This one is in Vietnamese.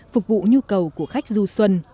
phục vụ nhu cầu của các chợ